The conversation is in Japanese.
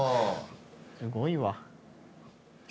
すごいわ。